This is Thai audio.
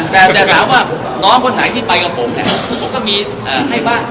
แต่จะถามว่าน้องคนไหนที่ไปกับผมเนี่ยคือผมก็มีให้บ้าง